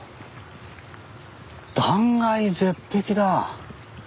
断崖絶壁だ。